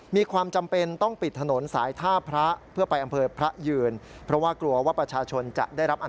มีความจำเป็นต้องปิดถนนสายท่าพระ